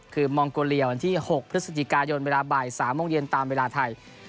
คือมองโกเลียวันที่๖พฤศจิกายนเวลาบ่าย๓โมงเย็นตามเวลาไทย